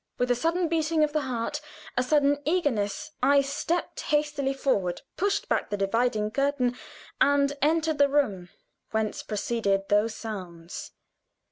With a sudden beating of the heart, a sudden eagerness, I stepped hastily forward, pushed back the dividing curtain, and entered the room whence proceeded those sounds.